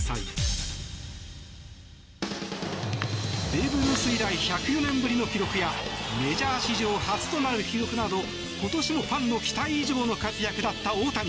ベーブ・ルース以来１０４年ぶりの記録やメジャー史上初となる記録など今年もファンの期待以上の活躍だった大谷。